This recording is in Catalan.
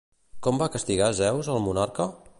Com va castigar Zeus al monarca?